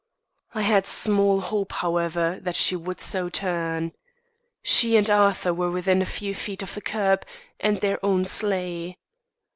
I had small hope, however, that she would so turn. She and Arthur were within a few feet of the curb and their own sleigh.